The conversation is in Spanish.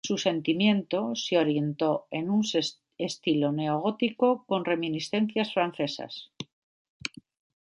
Su sentimiento se orientó en un estilo neogótico con reminiscencias francesas.